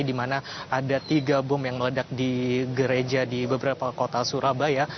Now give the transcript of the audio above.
di mana ada tiga bom yang meledak di gereja di beberapa kota surabaya